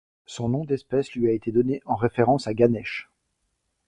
Son nom d'espèce lui a été donné en référence à Ganesh.